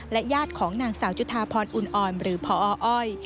ญาติของนางสาวจุธาพรอุ่นอ่อนหรือพออ้อย